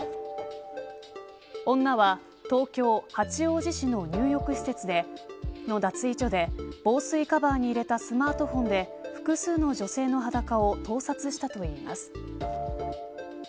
女は東京・八王子市の入浴施設の脱衣場で防水カバーに入れたスマートフォンで複数の女性の裸を盗撮したといいます。